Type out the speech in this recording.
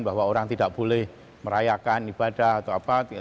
bahwa orang tidak boleh merayakan ibadah